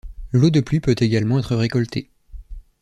L'eau de pluie peut également être récoltée.